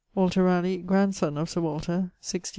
=Walter Raleigh=, grandson of Sir Walter (16 1663).